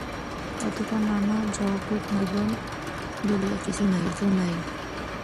অতএব নানা জগৎ, নানা জীবন বলিয়া কিছু নাই।